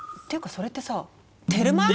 それってさテルマエ・ロマ。